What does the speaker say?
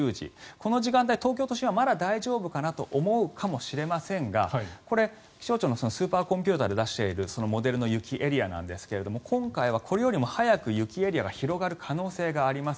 この時間帯、東京都心はまだ大丈夫かなと思うかもしれませんがこれ、気象庁のスーパーコンピューターで出しているモデルの雪エリアなんですが今回はこれよりも早く雪エリアが広がる可能性があります。